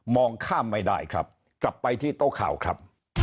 ข้ามไม่ได้ครับกลับไปที่โต๊ะข่าวครับ